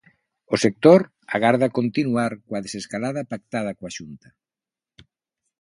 O sector agarda continuar coa desescalada pactada coa Xunta.